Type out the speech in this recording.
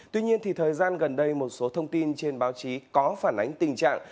tuy nhiên thời gian gần đây một số thông tin trên báo chí có phản ánh tình trạng